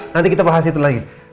nanti kita bahas itu lagi